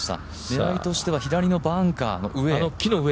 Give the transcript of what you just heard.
狙いとしては左のバンカーの上？